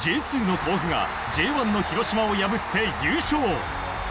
Ｊ２の甲府がＪ１の広島を破って優勝！